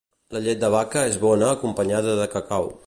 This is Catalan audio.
La llet de vaca és bona acompanyada de cacau.